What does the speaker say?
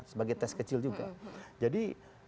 sebagai tes kecil juga jadi